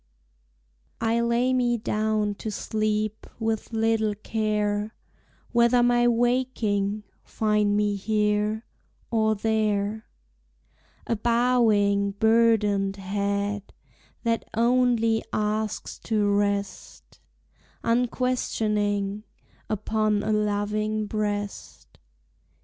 I lay me down to sleep, With little care Whether my waking find Me here, or there. A bowing, burdened head That only asks to rest, Unquestioning, upon A loving breast.